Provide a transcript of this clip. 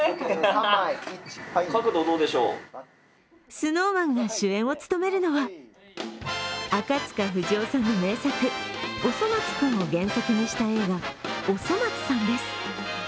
ＳｎｏｗＭａｎが主演を務めるのは赤塚不二夫さんの名作「おそ松くん」を原作にした映画「おそ松さん」です。